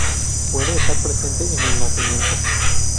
Puede estar presente en el nacimiento.